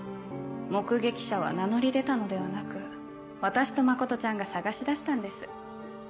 目撃者は名乗り出たのではなく私と真ちゃんが捜し出したんです。